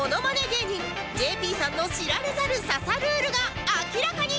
芸人 ＪＰ さんの知られざる刺さルールが明らかに！